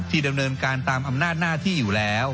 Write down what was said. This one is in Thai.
ดำเนินการตามอำนาจหน้าที่อยู่แล้ว